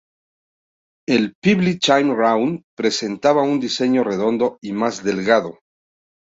El Pebble Time Round presentaba un diseño redondo y más delgado.